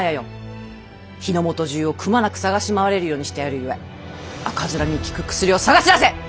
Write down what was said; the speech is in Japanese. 日の本中をくまなく探し回れるようにしてやるゆえ赤面に効く薬を探し出せ！